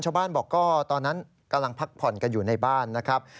ชาวบ้านบอกก็ตอนนั้นกำลังพักผ่อนกันอยู่ในบ้านนะครับ